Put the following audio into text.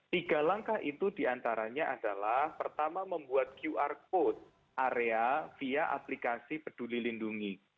tiga langkah itu diantaranya adalah pertama membuat qr code area via aplikasi peduli lindungi